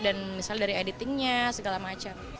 dan misalnya dari editingnya segala macam